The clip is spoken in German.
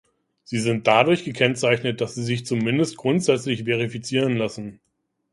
Sie sind dadurch gekennzeichnet, dass sie sich zumindest grundsätzlich verifizieren lassen.